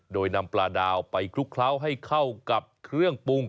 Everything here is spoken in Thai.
โดยนำปลาดาวไปคลุกเคล้าให้เข้ากับเครื่องปรุง